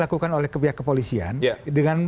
dilakukan oleh pihak kepolisian dengan